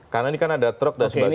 karena ini kan ada truk dan sebagainya